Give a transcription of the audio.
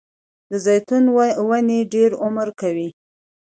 د زیتون ونې ډیر عمر کوي